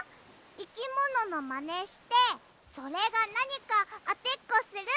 いきもののマネしてそれがなにかあてっこする。